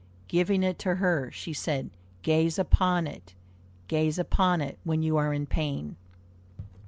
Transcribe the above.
Giving it to her, she said, "Gaze upon it, gaze upon it, when you are in pain."